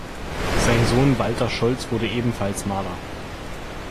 Sein Sohn Walther Scholtz wurde ebenfalls Maler.